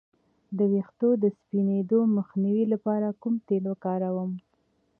د ویښتو د سپینیدو مخنیوي لپاره کوم تېل وکاروم؟